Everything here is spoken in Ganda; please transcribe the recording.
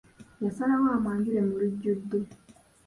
Yasalawo amwajule mu lujjudde.